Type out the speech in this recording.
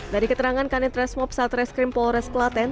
dari keterangan unit resmob satreskrim polres kelaten